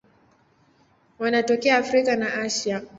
Wanatokea Afrika na Asia.